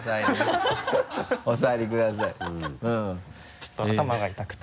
ちょっと頭が痛くて。